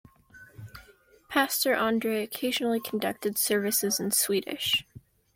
Pastor Andrae occasionally conducted services in Swedish.